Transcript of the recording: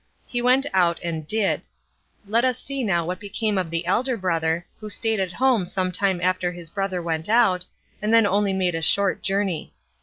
He went out and did. Let us see now what became of the elder brother, who stayed at home some time after his brother went out, and then only made a short journey.